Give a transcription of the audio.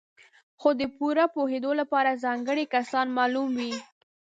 خو د پوره پوهېدو لپاره ځانګړي کسان معلوم وي.